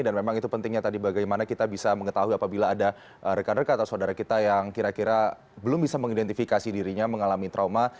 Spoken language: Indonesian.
dan memang itu pentingnya tadi bagaimana kita bisa mengetahui apabila ada rekan rekan atau saudara kita yang kira kira belum bisa mengidentifikasi dirinya mengalami trauma